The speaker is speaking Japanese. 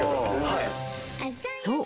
［そう。